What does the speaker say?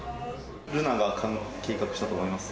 瑠奈が計画したと思います？